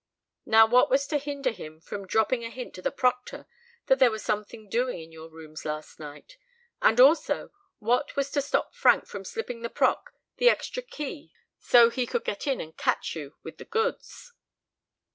Now what was to hinder him from dropping a hint to the proctor that there was something doing in your rooms last night? And, also, what was to stop Frank from slipping the proc the extra key so he could get in and catch you with the goods?"